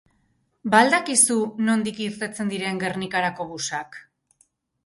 Ba al dakizu nondik irtetzen diren Gernikarako busak?